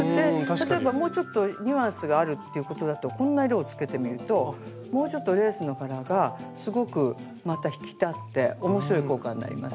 例えばもうちょっとニュアンスがあるっていうことだとこんな色をつけてみるともうちょっとレースの柄がすごくまた引き立って面白い効果になりますね。